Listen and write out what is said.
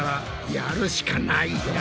やるしかない。